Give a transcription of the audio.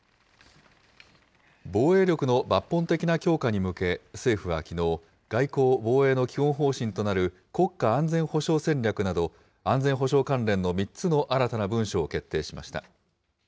防衛力の抜本的な強化に向け、政府はきのう、外交・防衛の基本方針となる国家安全保障戦略など、安全保障関連の３つの新たな文書を決定しました。